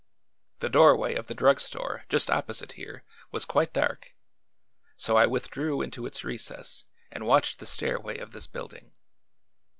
The doorway of the drug store, just opposite here, was quite dark; so I withdrew into its recess and watched the stairway of this building.